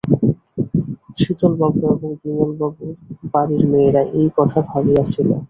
শীতলবাবু আর বিমলবাবুর বাড়ির মেয়েরা এই কথা ভাবিয়াছিল।